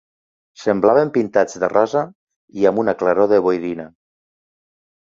Semblaven pintats de rosa i amb una claror de boirina